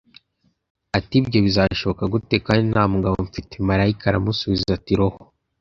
ati « ibyo bizashoboka gute kandi nta mugabo mfite ?» malayika aramusubiza ati « roho